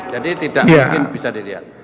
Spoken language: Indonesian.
tidak mungkin bisa dilihat